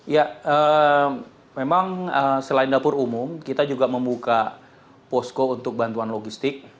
ya memang selain dapur umum kita juga membuka posko untuk bantuan logistik